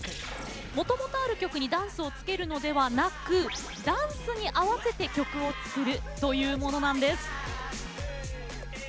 もともとある曲にダンスを付けるのではなくダンスに合わせて曲を作るというものなんです。